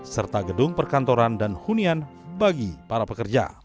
serta gedung perkantoran dan hunian bagi para pekerja